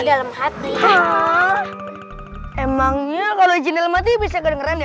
dalam hati emangnya kalau jenel mati bisa kedengeran ya